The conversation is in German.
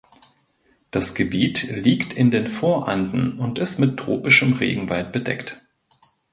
Das Gebiet liegt in den Voranden und ist mit tropischem Regenwald bedeckt.